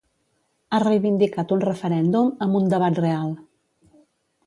Ha reivindicat un referèndum amb un ‘debat real’.